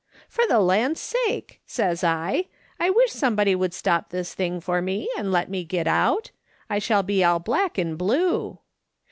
' For the land's sake !' says I, ' I wish somebody would stop this thing for me, and let me git out. I shall be all black and blue